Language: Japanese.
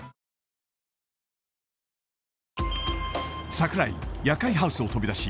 櫻井夜会ハウスを飛び出し